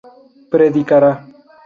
predicará